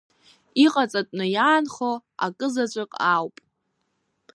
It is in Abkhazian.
Иҟаҵатәны иаанхо акы заҵәык ауп…